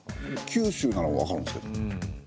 九州ならわかるんですけど。